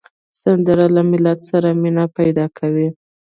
سندره له ملت سره مینه پیدا کوي